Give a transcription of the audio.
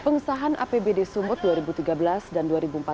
pengesahan apbd sumut dua ribu tiga belas dan dua ribu empat belas